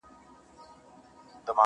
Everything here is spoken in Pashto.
یا شریک دي د ناولو یا پخپله دي ناولي؛